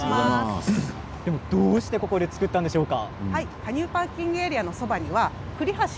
どうしてここに造ったんでしょうか。